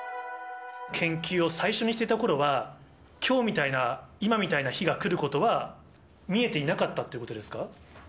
研究を最初にしていたころは、きょうみたいな、今みたいな日が来ることは見えていなかったということですか？